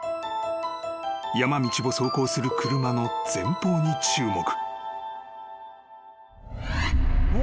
［山道を走行する車の前方に注目］